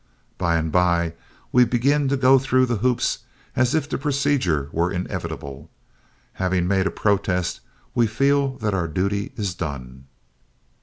By and by we begin to go through the hoops as if the procedure were inevitable. Having made a protest we feel that our duty is done.